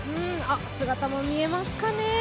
姿も見えますかね。